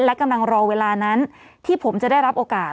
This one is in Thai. และกำลังรอเวลานั้นที่ผมจะได้รับโอกาส